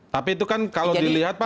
tapi itu kan kalau dilihat pak